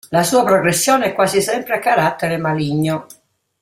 La sua progressione è quasi sempre a carattere maligno.